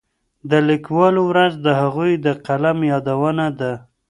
د لیکوالو ورځ د هغوی د قلم یادونه ده.